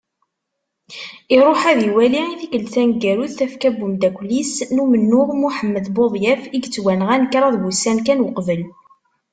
Iṛuḥ, ad iwali i tikkelt taneggarut tafekka n umeddakkel-is n umennuɣ Muḥemmed Buḍyaf i yettwanɣan kraḍ wussan kan uqbel.